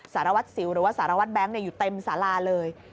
สารวัตรสิวหรือว่าสารวัตรแบงค์อยู่เต็มสาราเลย